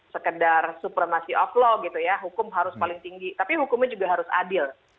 sekedar supremasi of law gitu ya hukum harus paling tinggi tapi hukumnya juga harus adil